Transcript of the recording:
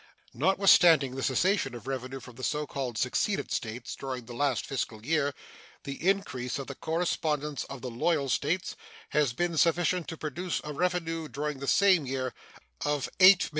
Notwithstanding the cessation of revenue from the so called seceded States during the last fiscal year, the increase of the correspondence of the loyal States has been sufficient to produce a revenue during the same year of $8,299,820.